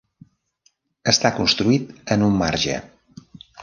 Està construït en un marge.